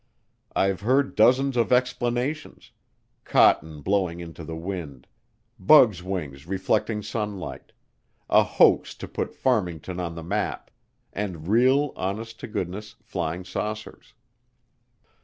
I've heard dozens of explanations cotton blowing in the wind, bugs' wings reflecting sunlight, a hoax to put Farmington on the map, and real honest to goodness flying saucers.